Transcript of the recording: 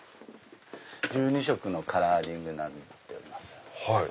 １２色のカラーリングになっております。